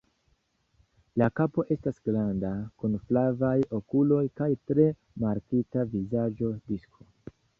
La kapo estas granda, kun flavaj okuloj kaj tre markita vizaĝo disko.